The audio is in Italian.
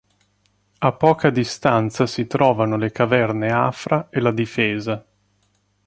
A poca distanza si trovano le caverne Afra e La Difesa.